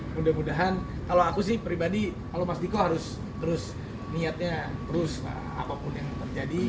mudah mudahan kalau aku sih pribadi kalau mas diko harus terus niatnya terus lah apapun yang terjadi